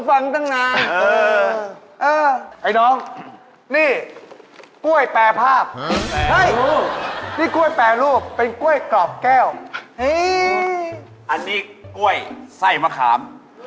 อันนี้กล้วยไส้มะคาม